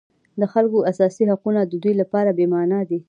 د خلکو اساسي حقونه د دوی لپاره بېمعنا دي.